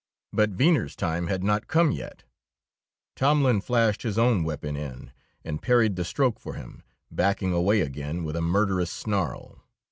But Venner's time had not come yet; Tomlin flashed his own weapon in and parried the stroke for him, backing away again with a murderous snarl.